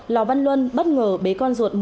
lò văn luân bất ngờ bé con ruột